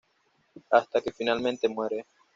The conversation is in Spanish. Hasta que finalmente muere.